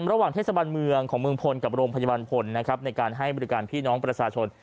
ระหว่างเทศบาลเมืองของเมืองพลกับโรงพยาบาลพลนะครับในการให้บริการพี่น้องประชาชน